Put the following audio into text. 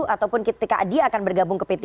ataupun ketika dia akan bergabung ke p tiga